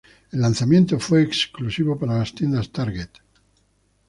El lanzamiento fue exclusivo para las tiendas Target.